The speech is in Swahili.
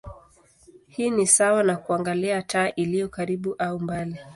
Hii ni sawa na kuangalia taa iliyo karibu au mbali.